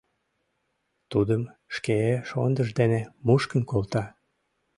Тудым шке шондыж дене мушкын колта.